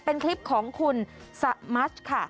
เป็นคลิปของคุณสมัชค่ะ